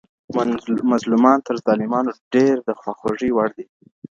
مظلومان تر ظالمانو ډير د خواخوږۍ وړ دي.